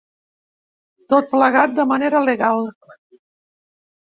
Tot plegat, de manera legal.